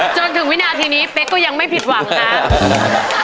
จนถึงวินาทีนี้เป๊กก็ยังไม่ผิดหวังนะครับ